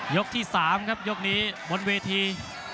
ที่๓ครับยกนี้บนเวที